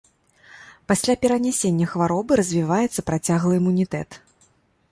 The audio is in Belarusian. Пасля перанясення хваробы развіваецца працяглы імунітэт.